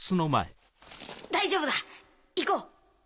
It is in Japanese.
大丈夫だ行こう。